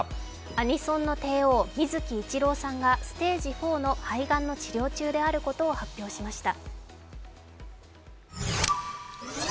アニソンの帝王、水木一郎さんがステージ４の肺がんの治療中であることを明らかにしました。